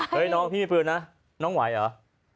พี่มีปืนนี้หลอนไหวหรอ